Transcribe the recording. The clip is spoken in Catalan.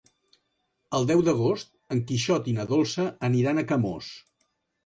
El deu d'agost en Quixot i na Dolça aniran a Camós.